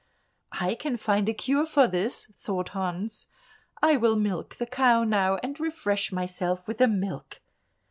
"I can find a cure for this," thought Hans; "I will milk the cow now and refresh myself with the milk."